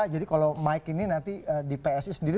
jadi kalau mike ini nanti di psi sendiri